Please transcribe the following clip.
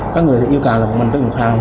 các người yêu cầu là mình tự dùng phòng